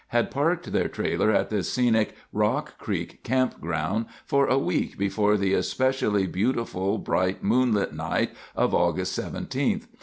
had parked their trailer at the scenic Rock Creek Campground for a week before the especially beautiful, bright moonlight night of August 17th.